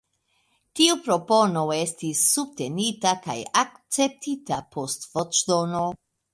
Tiu propono estis subtenita kaj akceptita post voĉdono.